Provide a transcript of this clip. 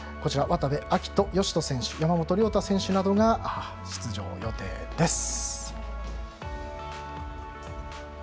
渡部暁斗、善斗選手山本涼太選手などが出場予定です。